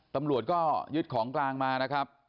ตำรวจก็ยึดของกลางมานะครับ